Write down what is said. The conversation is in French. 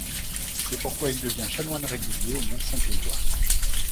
C'est pourquoi il devient chanoine régulier au mont Saint-Éloi.